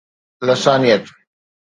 لسانيات